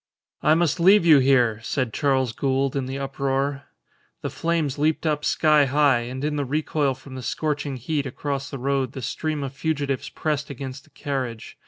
"I must leave you here," said Charles Gould, in the uproar. The flames leaped up sky high, and in the recoil from the scorching heat across the road the stream of fugitives pressed against the carriage.